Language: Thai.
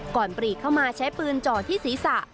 ปรีเข้ามาใช้ปืนจ่อที่ศีรษะ